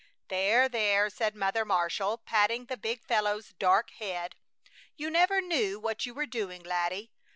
"There, there!" said Mother Marshall, patting the big fellow's dark head. "You never knew what you were doing, laddie!